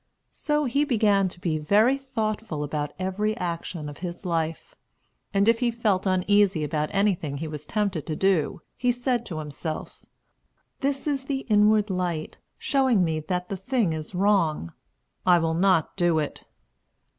So he began to be very thoughtful about every action of his life; and if he felt uneasy about anything he was tempted to do, he said to himself, "This is the inward light, showing me that the thing is wrong. I will not do it."